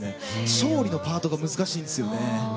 勝利のパートが難しいんですよね。